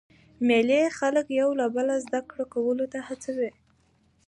مېلې خلک یو له بله زده کړي کولو ته هڅوي.